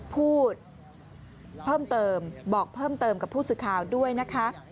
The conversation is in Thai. พูดเพิ่มเติมบอกเพิ่มเติมกับผู้สื่อข่าวด้วยนะคะ